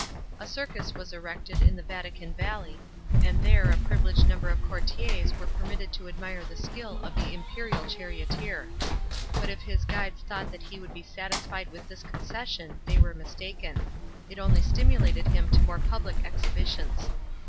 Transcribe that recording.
A circus was erected in the Vatican va'ley, and there a privileged number of courtiers were permitted to admire the skill of the imperial charioteer. But if his guides thought that he would be satisfied with this concession, they were mistaken ; it only stimulated him to more public exhibitions.